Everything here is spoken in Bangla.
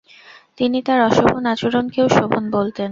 তিনি তার "অশোভন আচরণকেও শোভন" বলতেন।